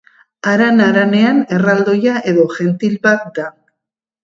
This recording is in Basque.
Aran haranean erraldoia edo jentil bat da.